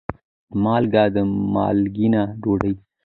مالګه : مالګېنه ډوډۍ